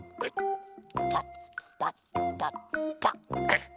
パッパッパッパッ。